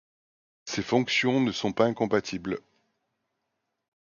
Ces fonctions ne sont pas incompatibles.